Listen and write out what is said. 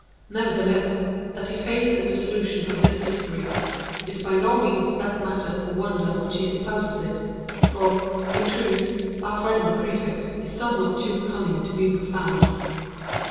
Nevertheless, that he failed in the solution of this mystery, is by no means that matter for wonder which he supposes it; for, in truth, our friend the Prefect is somewhat too cunning to be profound.